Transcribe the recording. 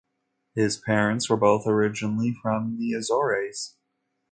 His parents were both originally from the Azores.